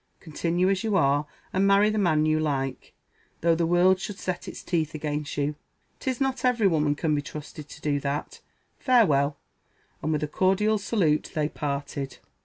Continue as you are, and marry the man you like, though the world should set its teeth against you. 'Tis not every woman can be trusted to do that farewell!" And with a cordial salute they parted.